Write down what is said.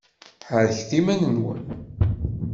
Ḥerrket iman-nwen!